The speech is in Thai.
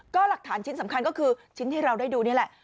ก็หลักฐานชิ้นสำคัญก็คือชิ้นที่เราได้ดูนี่แหละ